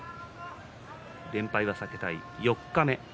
連敗は避けたい四日目。